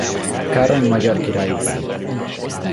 Károly magyar király után.